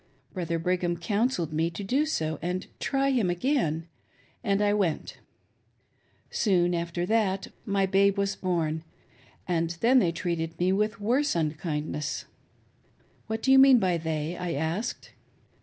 Brother Brigham counselled me to do so, and try him again ; and I went. Soon after that, my babe was born, and then they treated me with worse iin kindness." "THE CHAMPION OF POLYGAMY!" 52 1 *' Who do you mean by they ?" I asked.